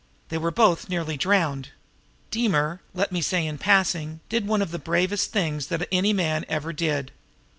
They were both nearly drowned. Deemer, let me say in passing, did one of the bravest things that any man ever did.